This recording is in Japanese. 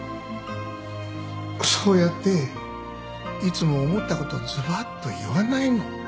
そうやっていつも思ったことズバッと言わないの。